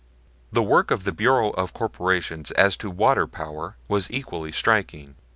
The work of the Bureau of Corporations as to water power was equally striking.